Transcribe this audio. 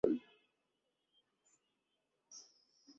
আমি ওদের দুই-একজনকে ডেকে সেই চিঠিখানা দেখালুম।